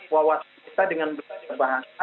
wawas kita dengan berbagai bahasa